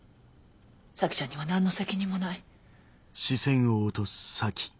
咲ちゃんには何の責任もない。